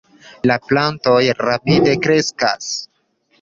La plantoj rapide kreskas.